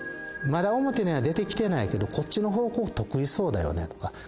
まだ表には出てきてないけどこっちの方向得意そうだよねとか。